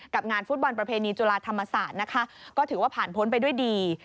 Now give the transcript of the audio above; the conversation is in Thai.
งานฟุตบอลประเพณีจุฬาธรรมศาสตร์นะคะก็ถือว่าผ่านพ้นไปด้วยดี